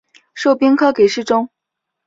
授兵科给事中。